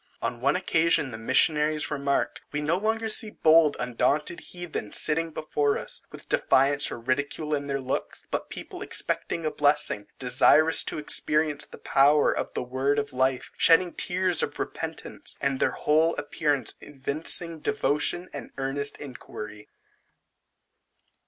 On one occasion the missionaries remark, "We no longer see bold, undaunted heathen sitting before us, with defiance or ridicule in their looks; but people expecting, a blessing, desirous to experience the power of the word of life, shedding tears of repentance, and their whole appearance evincing devotion and earnest inquiry."